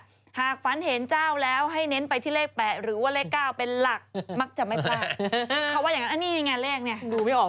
ใช่เป็นตัวหนังสือแบบเลขโบราณเลขใครเขาจะบอก